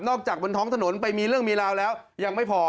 จากบนท้องถนนไปมีเรื่องมีราวแล้วยังไม่พอ